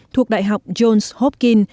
thuộc đại học johns hopkins